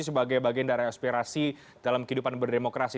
sebagai bagian dari aspirasi dalam kehidupan berdemokrasi